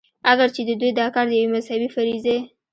اګر چې د دوي دا کار د يوې مذهبي فريضې